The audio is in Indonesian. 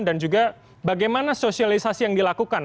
dan juga bagaimana sosialisasi yang dilakukan